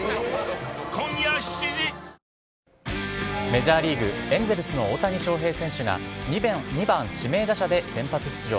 メジャーリーグエンゼルスの大谷翔平選手が２番・指名打者で先発出場。